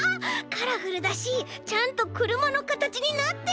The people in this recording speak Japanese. カラフルだしちゃんとくるまのかたちになってる。